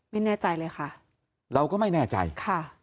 ไม่แน่ใจเลยค่ะเราก็ไม่แน่ใจค่ะ